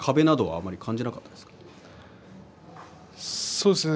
そうですね。